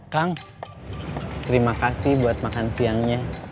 kang terima kasih buat makan siangnya